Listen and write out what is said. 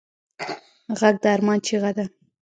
غږ د ارمان چیغه ده